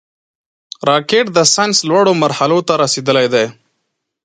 راکټ د ساینس لوړو مرحلو ته رسېدلی دی